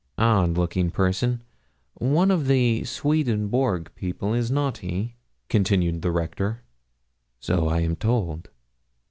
'Odd looking person one of the Swedenborg people, is not he?' continued the Rector. 'So I am told.'